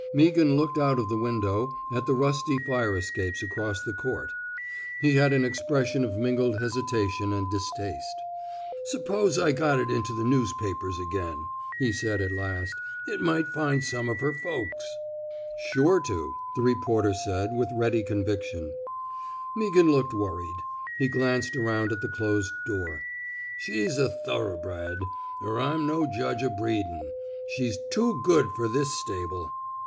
Meaghan looked out of the window at the rusty fire escapes across the court. He had an expression of mingled hesitation and dis taste. Suppose I got it into the news papers again," he said at last. It might find some of her folks." 283 THE SMOKE EATEES " Sure to/' the reporter said, with ready conviction. Meaghan looked worried. He glanced aronnd at the closed door. '* She's a thor oughbred — er I'm no judge o' breedin.' She's too good fer this stable."